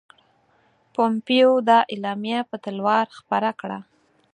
پومپیو دا اعلامیه په تلوار خپره کړه.